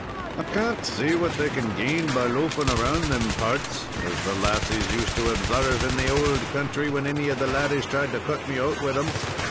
"I can't see what they can gain by loafing around them parts, as the lassies used to obsarve in the ould country when any of the laddies tried to cut me out wid 'em.